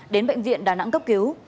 đến bệnh viện đà nẵng cấp cứu